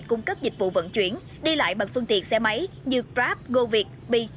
cung cấp dịch vụ vận chuyển đi lại bằng phương tiện xe máy như grab goviet bi